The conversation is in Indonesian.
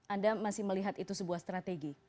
anda masih melihat itu sebuah strategi